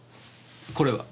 これは？